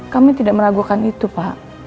kami tidak meragukan itu pak